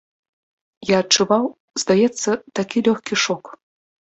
Я адчуваў, здаецца, такі лёгкі шок.